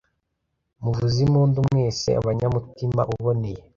muvuze impundu mwese abanyamutima uboneye